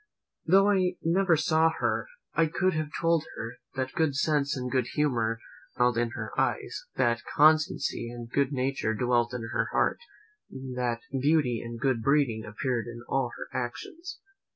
Though I never saw her, I could have told her, "that good sense and good humour smiled in her eyes; that constancy and good nature dwelt in her heart; that beauty and good breeding appeared in all her actions."